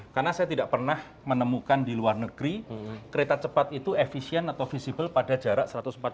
karena saya tidak pernah menemukan di luar negeri kereta cepat itu efisien atau visible pada jarak satu ratus empat puluh